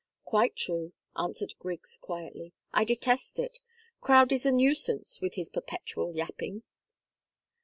"Quite true," answered Griggs, quietly. "I detest it. Crowdie's a nuisance with his perpetual yapping."